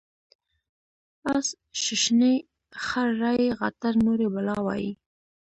اس ششني ، خر رایي غاتر نوري بلا وایي.